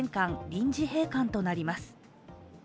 臨時閉館となります。